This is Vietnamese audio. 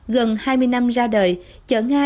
gần hai mươi năm ra đời chợ nga